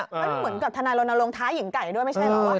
มันเหมือนกับทนายรณรงค้าหญิงไก่ด้วยไม่ใช่เหรอ